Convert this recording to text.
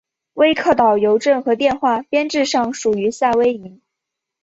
威克岛邮政和电话编制上属于夏威夷。